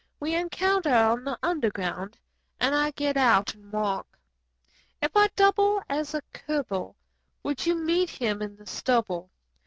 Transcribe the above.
We encounter on the Underground and I get out and walk. 68 Banter If I double as a cub'U when you meet him in the stubble.